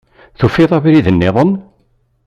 Tufiḍ-d abrid-nniḍen?